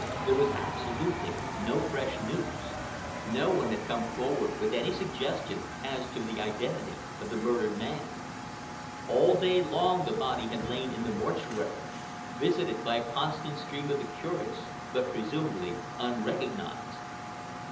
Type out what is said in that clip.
There was absolutely no fresh news. No one had come forward with any suggestion as to the identity of the murdered man. All day long the body had lain in the Mortuary, visited by a constant stream of the curious, but presumably unrecognized.